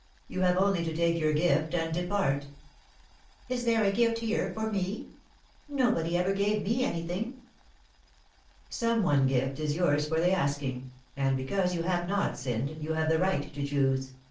You have only to take your gift and depart." "Is there a gift here for me? Nobody ever gave me anything." "Some one gift is yours for the asking, and, because you have not sinned, you have the right to choose.